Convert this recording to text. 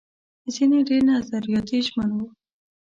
ځينې ډېر نظریاتي ژمن وو.